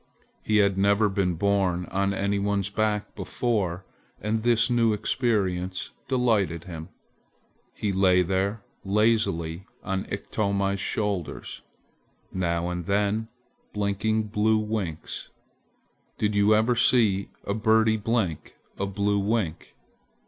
He had never been borne on any one's back before and the new experience delighted him. He lay there lazily on Iktomi's shoulders, now and then blinking blue winks. Did you never see a birdie blink a blue wink?